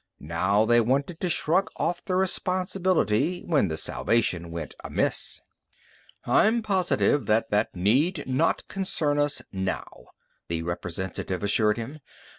Now they wanted to shrug off the responsibility when the salvation went amiss. "I'm positive that that need not concern us now," the representative assured him.